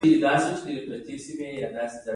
هغه به په خپلو حیواناتو سره پکې کار کاوه.